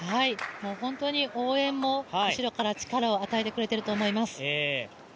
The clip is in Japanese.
本当に応援も後ろから力を与えてくれていると思います。